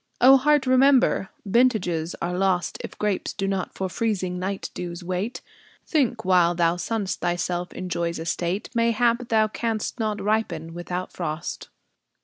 O Heart, remember, vintages are lost If grapes do not for freezing night dews wait. Think, while thou sunnest thyself in Joy's estate, Mayhap thou canst not ripen without frost!